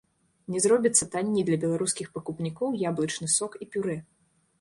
Не зробіцца танней для беларускіх пакупнікоў яблычны сок і пюрэ.